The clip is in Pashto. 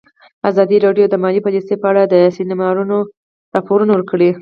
ازادي راډیو د مالي پالیسي په اړه د سیمینارونو راپورونه ورکړي.